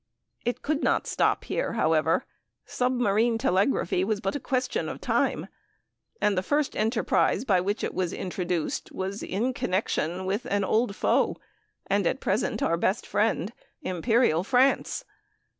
It could not stop here, however; submarine telegraphy was but a question of time, and the first enterprise by which it was introduced was in connection with an old foe and at present our best friend Imperial France.